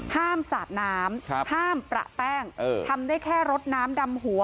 ห้ามสาดน้ำครับห้ามประแป้งเออทำได้แค่รสน้ำดำหัว